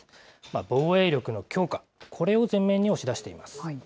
防衛力の強化、これを前面に押し出しています。